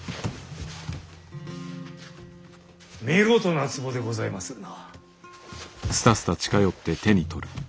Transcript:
見事なつぼでございまするな。